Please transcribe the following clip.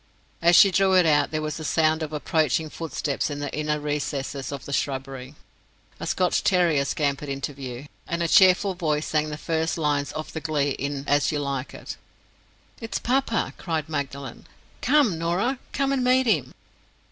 As she drew it out, there was a sound of approaching footsteps in the inner recesses of the shrubbery. A Scotch terrier scampered into view; and a cheerful voice sang the first lines of the glee in "As You Like It." "It's papa!" cried Magdalen. "Come, Norah—come and meet him."